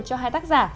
cho hai tác giả